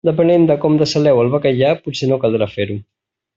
Depenent de com dessaleu el bacallà, potser no caldrà fer-ho.